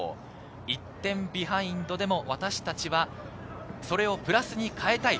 １点ビハインドでも私たちはそれをプラスに変えたい。